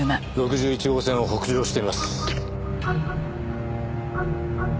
６１号線を北上しています。